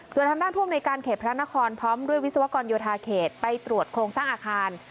ส่วนทางด้านผู้อำนวยการเขตพระนครพร้อมด้วยวิศวกรโยธาเขตไปตรวจโครงสร้างอาคาร